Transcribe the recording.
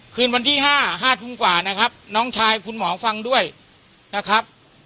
คืนวันที่๕๕ทุ่มกว่านะครับน้องชายคุณหมอฟังด้วยนะครับ